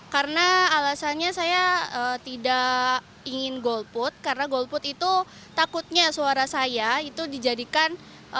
karena alasannya saya tidak ingin golput karena golput itu takutnya suara saya itu dijadikan